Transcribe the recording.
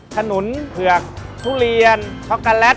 ขนุนเผือกทุเรียนช็อกโกแลต